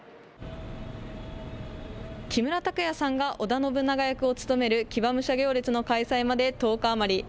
木村拓哉さんが織田信長役を務める騎馬武者行列の開催まで１０日余り。